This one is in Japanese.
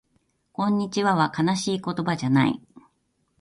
こんにちはは悲しい言葉じゃない